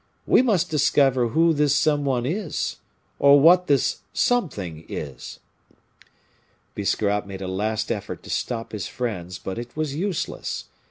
We must discover who this some one is, or what this something is." Biscarrat made a last effort to stop his friends, but it was useless.